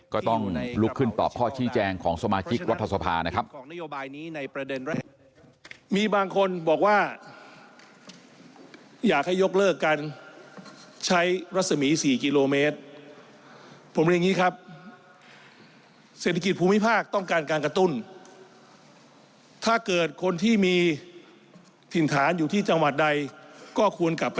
ก็ต้องลุกขึ้นตอบข้อชี้แจงของสมาชิกรัฐสภานะครับ